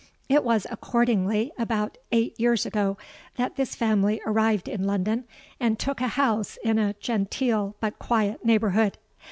It was accordingly about eight years ago that this family arrived in London, and took a house in a genteel but quiet neighbourhood.